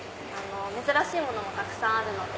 珍しいものもたくさんあるので。